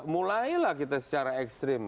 mulailah kita secara ekstrim